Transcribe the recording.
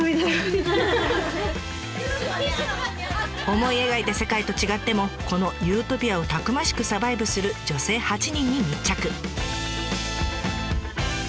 思い描いた世界と違ってもこのユートピアをたくましくサバイブする女性８人に密着。